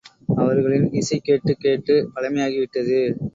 அவர்களின் இசை கேட்டுக் கேட்டுப் பழமையாகி விட்டது.